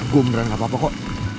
gue beneran gak apa apa kok